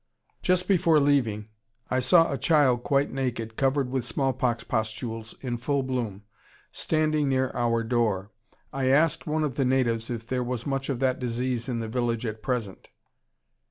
Just before leaving, I saw a child quite naked, covered with smallpox pustules in full bloom, standing near our door. I asked one of the natives if there was much of that disease in the village at present.